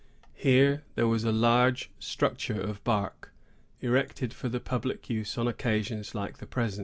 Here there was a large structure of bark, erected for the public use on occasions like the present.